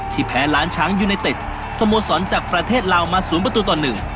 แพ้ล้านช้างยูไนเต็ดสโมสรจากประเทศลาวมา๐ประตูต่อหนึ่ง